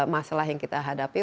masalah yang kita hadapi